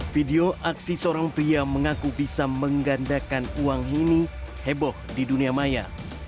video aksi seorang pria mengaku bisa menggandakan uang ini heboh di dunia maya